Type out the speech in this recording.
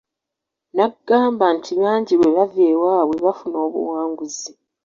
N'agamba nti bangi bwe bava ewaabwe bafuna obuwanguzi.